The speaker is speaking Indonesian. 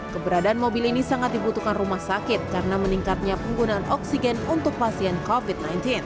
keberadaan mobil ini sangat dibutuhkan rumah sakit karena meningkatnya penggunaan oksigen untuk pasien covid sembilan belas